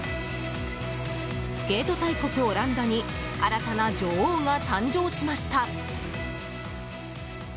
スケート大国オランダに新たな女王が誕生しました。